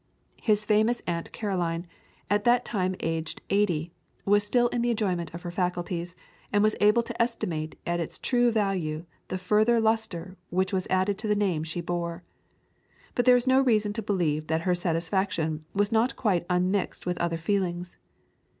His famous aunt Caroline, at that time aged eighty, was still in the enjoyment of her faculties, and was able to estimate at its true value the further lustre which was added to the name she bore. But there is reason to believe that her satisfaction was not quite unmixed with other feelings.